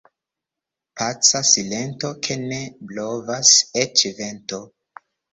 Paca silento, ke ne blovas eĉ vento.